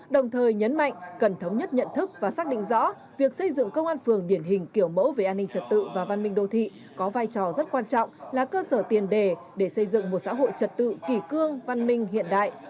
đồng thời nhấn mạnh cần thống nhất nhận thức và xác định rõ việc xây dựng công an phường điển hình kiểu mẫu về an ninh trật tự và văn minh đô thị có vai trò rất quan trọng là cơ sở tiền đề để xây dựng một xã hội trật tự kỷ cương văn minh hiện đại